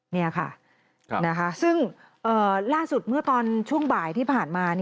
นี่ค่ะซึ่งล่าสุดเมื่อตอนช่วงบ่ายที่ผ่านมา